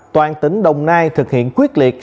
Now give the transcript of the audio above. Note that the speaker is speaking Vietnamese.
toàn tỉnh đồng nai thực hiện quyết liệt